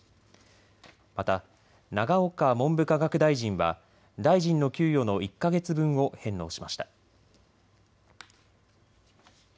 また永岡文部科学大臣は大臣の給与の１か月分を返納しました。